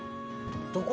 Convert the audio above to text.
どこ？